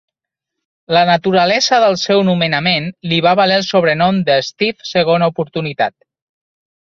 La naturalesa del seu nomenament li va valer el sobrenom de "Steve segona oportunitat".